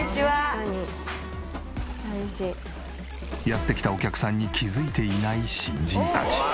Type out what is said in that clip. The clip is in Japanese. やって来たお客さんに気づいていない新人たち。